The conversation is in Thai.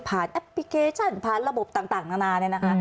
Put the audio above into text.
แอปพลิเคชันผ่านระบบต่างนานาเนี่ยนะคะ